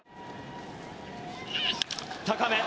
高め。